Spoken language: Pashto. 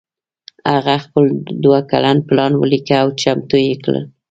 هغه خپل دوه کلن پلان وليکه او چمتو يې کړ.